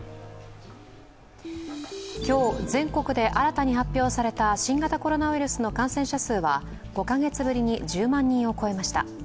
今日、全国で新たに発表された新型コロナウイルスの感染者数は５カ月ぶりに１０万人を超えました。